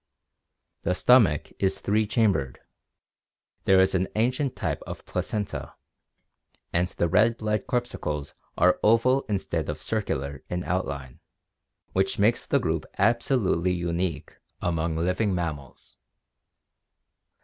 The stomach is three chambered; there is an ancient type of placenta; and the red blood corpuscles are oval in stead of circular in outline, which makes the group absolutely unique among living mammals.